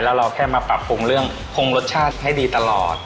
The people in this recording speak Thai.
แล้วเราแค่มาปรับปรุงเรื่องคงรสชาติให้ดีตลอด